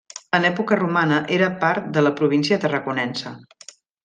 En època romana era part de la província Tarraconense.